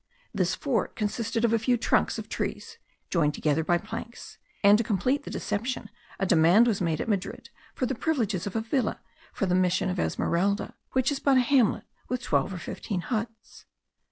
This fort consisted of a few trunks of trees, joined together by planks; and to complete the deception, a demand was made at Madrid for the privileges of a villa for the mission of Esmeralda, which but a hamlet with twelve or fifteen huts.